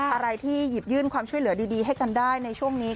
อะไรที่หยิบยื่นความช่วยเหลือดีให้กันได้ในช่วงนี้